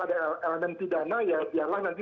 ada elemen pidana ya biarlah nanti